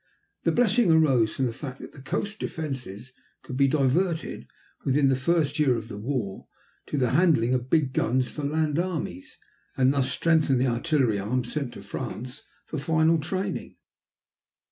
The blessing arose from the fact that the coast defense could be diverted, within the first year of war, to the handling of the big guns for land armies, and thus strengthen the artillery arm sent to France for final training.